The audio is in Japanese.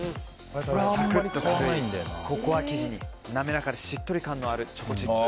サクッと軽いココア生地に滑らかでしっとり感のあるチョコチップ。